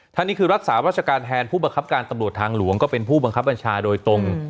นี่คือรักษาราชการแทนผู้บังคับการตำรวจทางหลวงก็เป็นผู้บังคับบัญชาโดยตรง